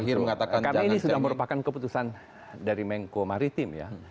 karena ini sudah merupakan keputusan dari mengkuo maritim ya